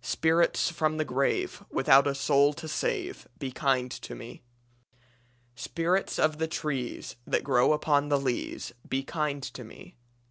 "Spirits from the grave Without a soul to save, Be kind to me. "Spirits of the trees That grow upon the leas, Be kind to me.